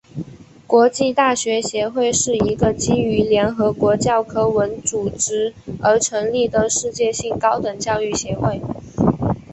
国际大学协会是一个基于联合国教科文组织而成立的世界性高等教育协会。